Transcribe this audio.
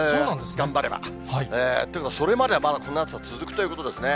頑張れば。というか、それまではまだこの暑さ、続くということですね。